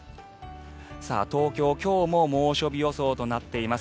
東京、今日も猛暑日予想となっています。